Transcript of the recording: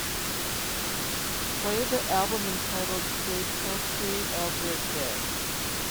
Play the album entitled Se Potrei Avere Te.